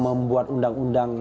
pembentuk undang undang dasar